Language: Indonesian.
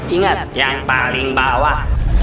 ingat yang paling bawah